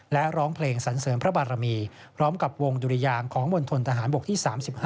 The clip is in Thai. และร้องเพลงสันเสริมพระบารมีพร้อมกับวงดุริยางของมณฑนทหารบกที่๓๕